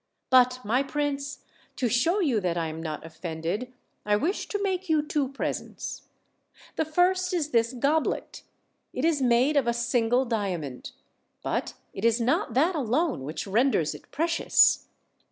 But, my prince, to show you that I'm not offended, I wish to make you two presents. The first is this goblet it is made of a single diamond; but it is not that alone which renders it precious.